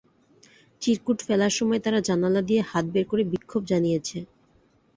চিরকুট ফেলার সময় তারা জানালা দিয়ে হাত বের করে বিক্ষোভ জানিয়েছে।